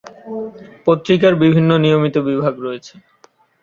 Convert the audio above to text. পত্রিকার বিভিন্ন নিয়মিত বিভাগ রয়েছে।